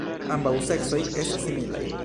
Ambaŭ seksoj estas similaj.